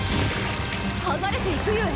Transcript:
剥がれていくゆえ。